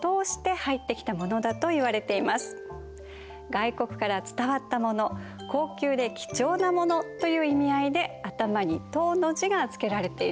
外国から伝わったもの高級で貴重なものという意味合いで頭に「唐」の字が付けられているんですね。